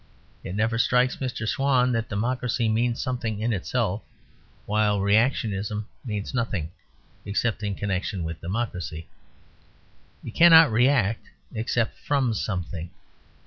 It never strikes Mr. Swann that democracy means something in itself; while "reactionism" means nothing except in connection with democracy. You cannot react except from something.